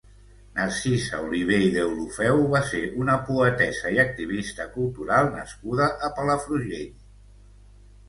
Narcisa Oliver i Deulofeu va ser una poetessa i activista cultural nascuda a Palafrugell.